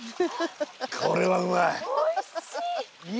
これはうまい。